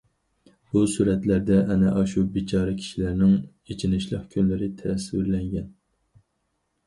بۇ سۈرەتلەردە ئەنە ئاشۇ بىچارە كىشىلەرنىڭ ئېچىنىشلىق كۈنلىرى تەسۋىرلەنگەن.